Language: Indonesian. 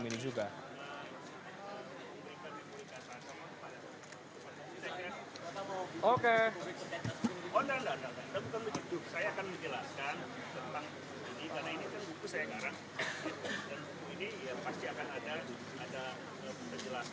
menjelaskan tapi bukan inilah sebetulnya